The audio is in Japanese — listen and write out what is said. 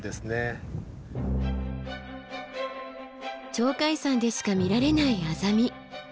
鳥海山でしか見られないアザミ。